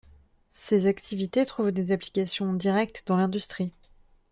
Ces activités trouvent des applications directes dans l'industrie.